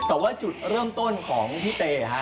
แต่ว่าจุดเริ่มต้นของพี่เตฮะ